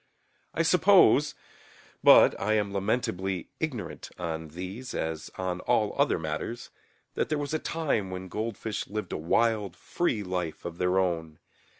I suppose (but I am lamentably ignorant on these as on all other matters) that there was a time when goldfish lived a wild free life of their own.